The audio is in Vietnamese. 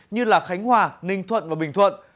như là khánh hòa ninh thuận và bình thuận